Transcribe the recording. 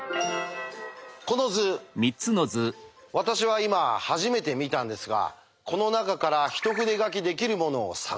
この図私は今初めて見たんですがこの中から一筆書きできるものを探せるか。